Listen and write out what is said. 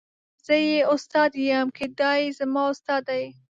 زه یې استاد یم که دای زما استاد دی.